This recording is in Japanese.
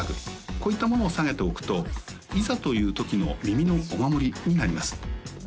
こういったものをさげておくといざというときの耳のお守りになります